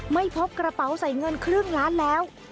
ไม่พบกระเป๋าใส่เงินครึ่งล้านแล้ว